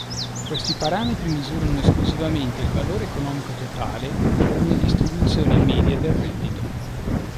Questi parametri misurano esclusivamente il valore economico totale o una distribuzione media del reddito.